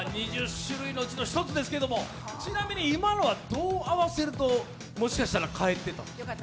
２０種類のうちの１つですけどちなもみに今のはどう合わせると返ってた？